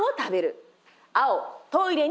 青「トイレに行く」。